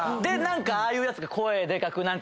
ああいうやつが声でかく何か。